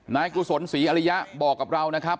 กุศลศรีอริยะบอกกับเรานะครับ